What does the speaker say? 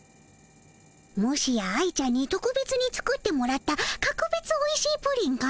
もしや愛ちゃんにとくべつに作ってもらったかくべつおいしいプリンかの？